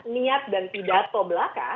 niat dan pidato belaka